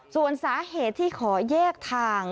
ส่วนสาเหตุที่ขอแยกทาง